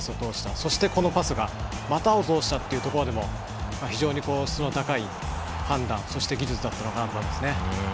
そしてこのパスが股を通したというところも非常に質の高い判断そして技術だったと思いますね。